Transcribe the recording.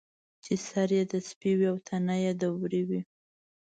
چې سر یې د سپي وي او تنه یې د وري وي.